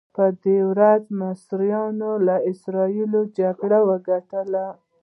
په دې ورځ مصریانو له اسراییلو جګړه وګټله.